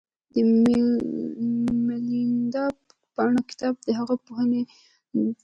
د میلیندا پانه کتاب د هغه پوښتنې دي